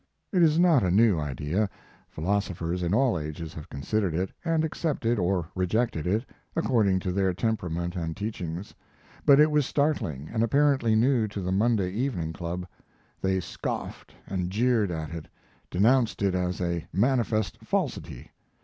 It is not a new idea; philosophers in all ages have considered it, and accepted or rejected it, according to their temperament and teachings, but it was startling and apparently new to the Monday Evening Club. They scoffed and jeered at it; denounced it as a manifest falsity.